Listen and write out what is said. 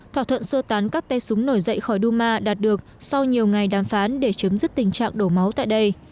thỏa thuận sơ tán các tay súng nổi dậy khỏi duma đạt được sau nhiều ngày đàm phán để chấm dứt tình trạng đổ máu tại đây